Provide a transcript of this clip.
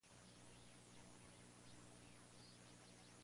Era parte del equipo de rugby Old Christians.